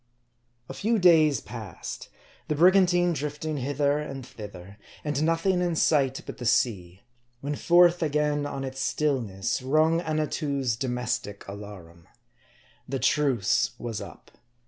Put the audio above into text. A FEW days passed : the brigantine drifting hither and thither, and nothing in sight but the sea, when forth again on its stillness rung Annatoo's domestic alarum. The truce was up.